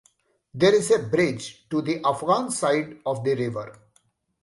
There is a bridge to the Afghan side of the river.